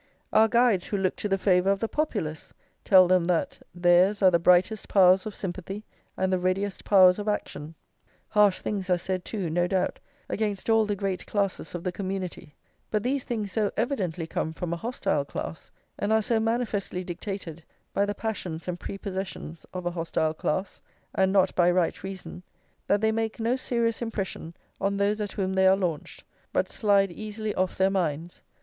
Our guides who look to the favour of the Populace, tell them that "theirs are the brightest powers of sympathy, and the readiest powers of action." Harsh things are said too, no doubt, against all the great classes of the community; but these things so evidently come from a hostile class, and are so manifestly dictated by the passions and prepossessions of a hostile class, and not by right reason, that they make no serious impression on those at whom they are launched, but slide easily off their minds.